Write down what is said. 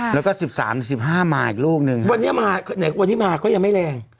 แล้วก็๑๓๑๕มาอีกลูกนึงวันนี้มาก็ยังไม่แรง